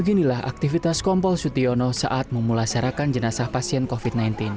beginilah aktivitas kompol sutyono saat memulasarakan jenazah pasien covid sembilan belas